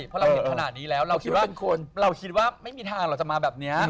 เพราะเราเห็นขนาดนี้แล้วเราคิดว่าเราคิดว่าไม่มีทางเราจะมาแบบนี้